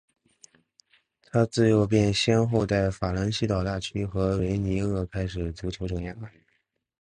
他自幼便先后在法兰西岛大区的维尼厄开始足球生涯。